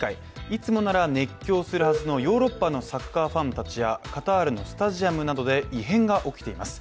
いつもなら熱狂するはずのヨーロッパのサッカーファンたちやカタールのスタジアムなどで異変が起きています。